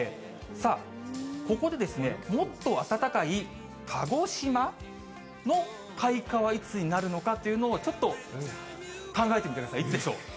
さあ、ここでですね、もっと暖かい鹿児島の開花はいつになるのかというのを、ちょっと考えてみてください、いつでしょう？